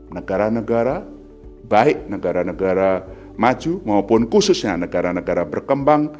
negara negara baik negara negara maju maupun khususnya negara negara berkembang